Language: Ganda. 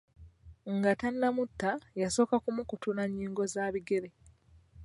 Nga tannamutta, yasooka kumukutula nnyingo za bigere.